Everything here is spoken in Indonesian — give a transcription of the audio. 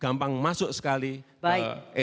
gampang masuk sekali era digitalisasi